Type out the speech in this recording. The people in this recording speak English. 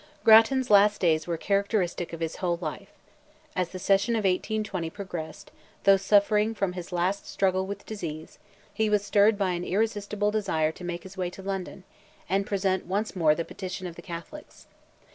Grattan's last days were characteristic of his whole life. As the session of 1820 progressed, though suffering from his last struggle with disease, he was stirred by an irresistible desire to make his way to London, and present once more the petition of the Catholics.